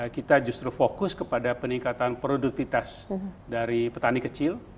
kita justru fokus kepada peningkatan produktivitas dari petani kecil